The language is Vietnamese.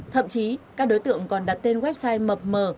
thậm chí các đối tượng còn đặt tên website mập mờ